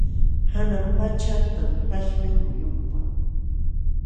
Hanan pacha anqaśhmi muyunpa.